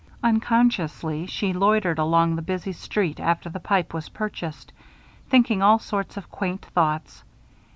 Unconsciously, she loitered along the busy street after the pipe was purchased, thinking all sorts of quaint thoughts.